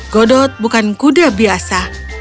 godot bukan kuda biasa